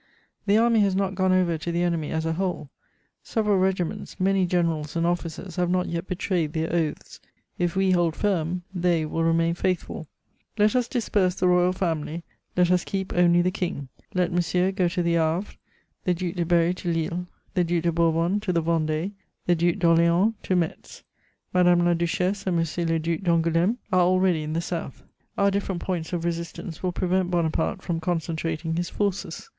The army has not gone over to the enemy as a whole; several regiments, many generals and officers have not yet betrayed their oaths: if we hold firm, they will remain faithful. Let us disperse the Royal Family, let us keep only the King. Let Monsieur go to the Havre, the Duc de Berry to Lille, the Duc de Bourbon to the Vendée, the Duc d'Orléans to Metz; Madame la Duchesse and M. le Duc d'Angoulême are already in the South. Our different points of resistance will prevent Bonaparte from concentrating his forces.